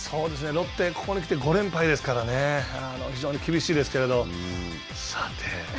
ロッテ、ここに来て５連敗ですからね、非常に厳しいですけれど。